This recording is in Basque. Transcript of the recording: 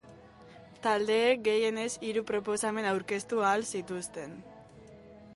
Taldeek, gehienez, hiru proposamen aurkeztu ahal zituzten.